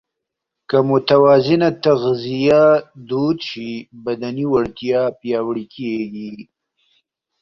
که متوازنه تغذیه دود شي، بدني وړتیا پیاوړې کېږي.